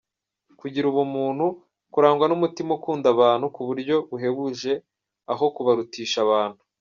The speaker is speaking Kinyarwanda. Kugira ubumuntu- Kurangwa n’umutima ukunda abantu ku buryo buhebuje aho kubarutisha abantu.